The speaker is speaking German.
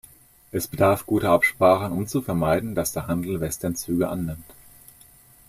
Es bedarf guter Absprachen, um zu vermeiden, dass der Handel Westernzüge annimmt.